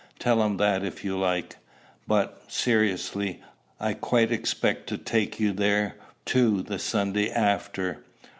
Tell him that if you like. But, seriously, I quite expect to take you there, too, the Sunday after."